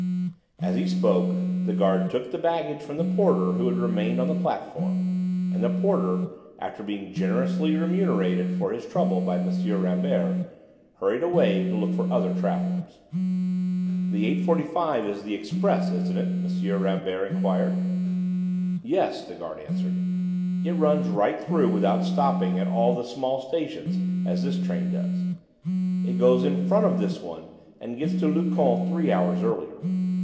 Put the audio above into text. As he spoke the guard took the baggage from the porter who had remained on the platform, and the porter, after being generously remunerated for his trouble by M. Rambert, hurried away to look for other travellers. "The 8.45 is the express, isn't it?" M. Rambert enquired. "Yes," the guard answered; "it runs right through without stopping at all the small stations as this train does. It goes in front of this one and gets to Luchon three hours earlier.